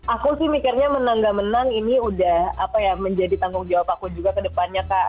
aku sih mikirnya menang gak menang ini udah apa ya menjadi tanggung jawab aku juga ke depannya kak